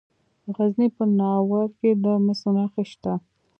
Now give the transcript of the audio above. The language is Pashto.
د غزني په ناور کې د مسو نښې شته.